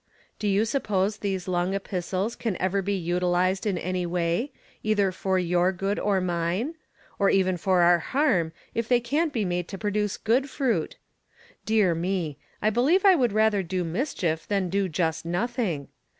Do you suppose these long epistles can ever be util ized in any way, either for your good or mine ; or even for our harm, if they can't be made to produce good fruit ? Dear me ! I believe I would rather do mischief than do just nothing.